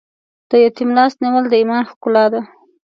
د یتیم لاس نیول د ایمان ښکلا ده.